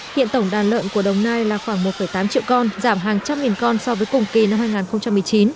hiện tổng đàn lợn của đồng nai là khoảng một tám triệu con giảm hàng trăm nghìn con so với cùng kỳ năm hai nghìn một mươi chín